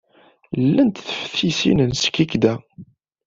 Lhant teftisin n Skikda.